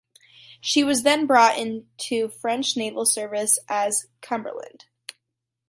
She was then brought into French naval service as "Cumberland".